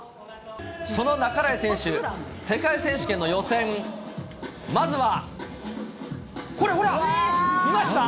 その半井選手、世界選手権の予選、まずは、これほら、見ました？